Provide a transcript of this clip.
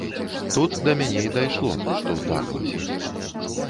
Тут да мяне і дайшло, што здарылася.